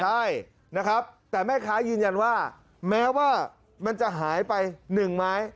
ใช่นะครับแต่แม่ค้ายืนยันว่าแม้ว่ามันจะหายไป๑ไม้